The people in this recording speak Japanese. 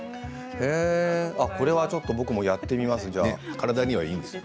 これはちょっと僕もやってみます。